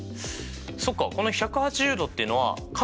そうかこの１８０°っていうのは∠